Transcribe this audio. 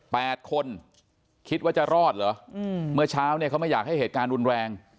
คนคิดว่าจะรอดเหรออืมเมื่อเช้าเนี่ยเขาไม่อยากให้เหตุการณ์รุนแรง